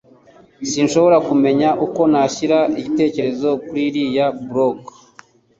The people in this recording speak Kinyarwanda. Sinshobora kumenya uko nashyira igitekerezo kuriyi blog